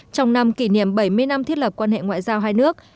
trong năm kỷ niệm bảy mươi năm thiết lập quan hệ ngoại giao hai nước